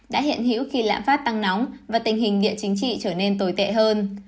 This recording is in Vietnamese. đã hiện hữu khi lãm phát tăng nóng và tình hình địa chính trị trở nên tồi tệ hơn